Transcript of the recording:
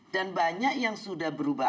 dan banyak yang sudah berubah